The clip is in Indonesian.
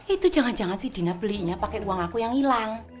itu jangan jangan si dina belinya pakai uang aku yang hilang